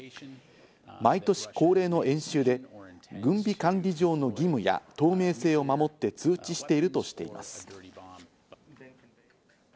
毎年恒例の演習で、軍備管理上の義務や、透明性を守って通知しているとしています。